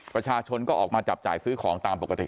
ประชาชนก็ออกมาจับจ่ายซื้อของตามปกติ